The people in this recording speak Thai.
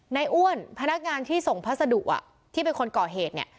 อ้วนพนักงานที่ส่งพัสดุที่เป็นคนก่อเหตุเนี่ย